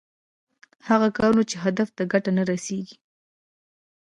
هغه کارونه چې هدف ته ګټه نه رسېږي.